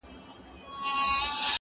زه پرون سبزیجات وچول!.